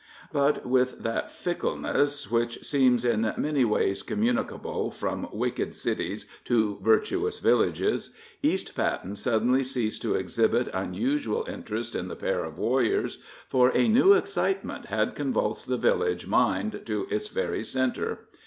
But, with that fickleness which seems in some way communicable from wicked cities to virtuous villages, East Patten suddenly ceased to exhibit unusual interest in the pair of warriors, for a new excitement had convulsed the village mind to its very centre.